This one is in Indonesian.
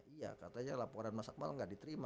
iya katanya laporan masak malam gak diterima